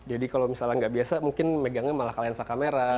jadi kalau misalnya nggak biasa mungkin megangnya malah ke lensa kamera